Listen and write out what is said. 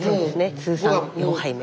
通算４杯目。